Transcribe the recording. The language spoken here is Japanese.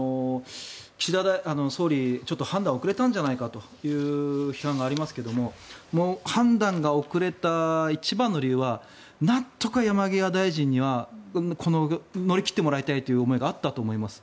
岸田総理、ちょっと判断遅れたんじゃないかという批判がありますが判断が遅れた一番の理由はなんとか山際大臣には乗り切ってもらいたいという思いがあったと思います。